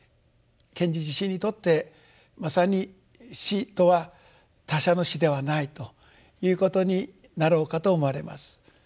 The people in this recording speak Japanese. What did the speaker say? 賢治自身にとってまさに死とは他者の死ではないということになろうかと思われます。